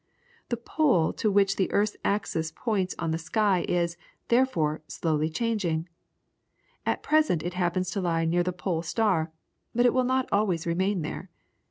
The pole to which the earth's axis points on the sky is, therefore, slowly changing. At present it happens to lie near the Pole Star, but it will not always remain there.